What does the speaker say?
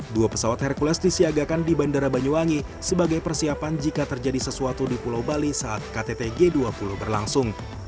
dua pesawat hercules disiagakan di bandara banyuwangi sebagai persiapan jika terjadi sesuatu di pulau bali saat ktt g dua puluh berlangsung